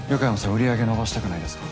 売り上げ伸ばしたくないですか？